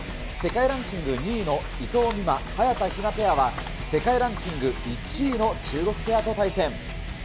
世界ランキング２位の伊藤美誠・早田ひなペアは、世界ランキング１位の中国ペアと対戦。